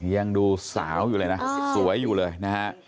ยังดูสาวอยู่เลยนะสวยอยู่เลยนะฮะ